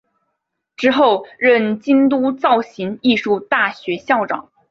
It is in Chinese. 之后任京都造形艺术大学校长。